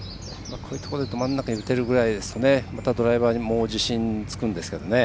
こういうところでど真ん中に打てるぐらいだとまたドライバーに自信がつくんですけどね。